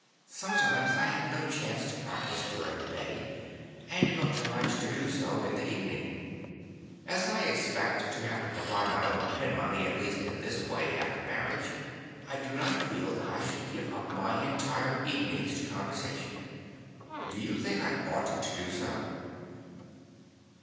Sometimes I have no chance to practice during the day, and am obliged to do so in the evening. As I expect to have to provide my own pin money at least in this way after marriage, I do not feel that I should give up my entire evenings to conversation. Do you think I ought to do so?"